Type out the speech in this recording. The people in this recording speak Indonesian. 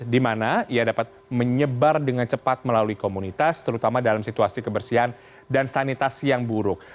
di mana ia dapat menyebar dengan cepat melalui komunitas terutama dalam situasi kebersihan dan sanitasi yang buruk